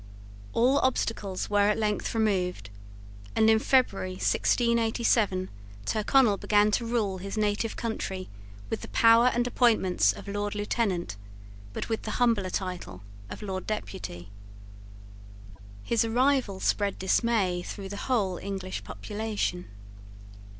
All obstacles were at length removed; and in February 1687, Tyrconnel began to rule his native country with the power and appointments of Lord Lieutenant, but with the humbler title of Lord Deputy. His arrival spread dismay through the whole English population.